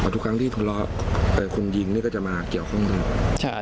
ทุกครั้งที่ทะเลาะคุณยิงก็จะมาเกี่ยวข้างหนึ่ง